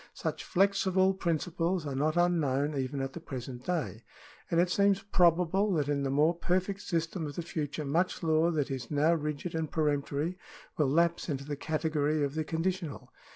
Such flexible principles are not unknown even at the present day, and it seems probable that in the more perfect system of the future much law that is now rigid and peremptory will lapse into the category of the conditional.